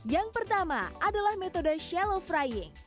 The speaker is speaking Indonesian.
yang pertama adalah metode shellow frying